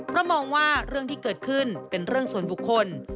เพราะมองว่าเรื่องที่เกิดขึ้นเป็นเรื่องส่วนบุคคล